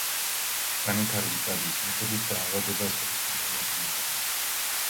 განვითარების სტადიის მიხედვით, დაავადება სხვადასხვანაირად ვლინდება.